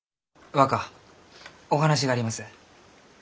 若お話があります。